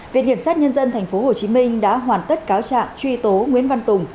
việc nghiệp sát nhân dân tp hcm đã hoàn tất cáo trạng truy tố nguyễn văn tùng